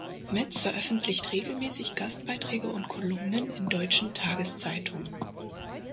Metz veröffentlicht regelmäßig Gastbeiträge und Kolumnen in deutschen Tageszeitungen.